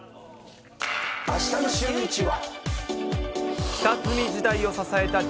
あしたのシューイチは。